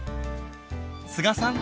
須賀さん